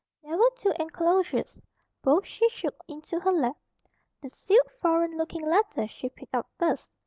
There were two enclosures. Both she shook into her lap. The sealed, foreign looking letter she picked up first.